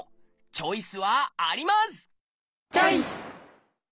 チョイス！